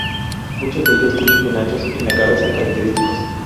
Muchos de ellos tienen penachos en la cabeza característicos.